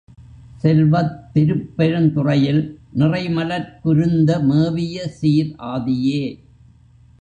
செல்வத் திருப்பெருந்துறையில் நிறைமலர்க் குருந்த மேவியசீர் ஆதியே!